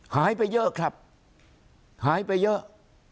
หายไปเยอะครับหายไปเยอะ